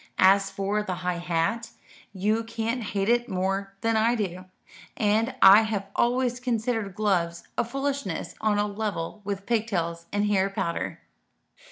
As for the high hat, you can't hate it more than I do; and I have always considered gloves a foolishness on a level with pigtails and hair powder."